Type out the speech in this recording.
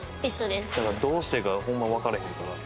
だからどうしてええかホンマわからへんから。